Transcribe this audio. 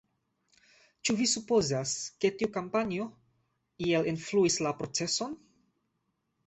Ĉu vi supozas, ke tiu kampanjo iel influis la proceson?